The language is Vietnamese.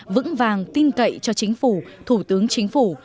vững vàng tin cậy cho chính phủ thủ tướng chính phủ